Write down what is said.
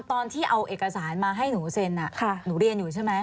ตอนที่เอาเอกสารมาให้หนูเซ็นหนูเรียนอยู่ใช่ไหม